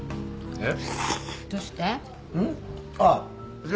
えっ！？